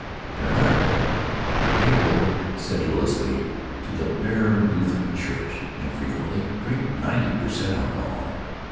In America they go sedulously to the bare Lutheran church and frequently drink ninety per cent. alcohol.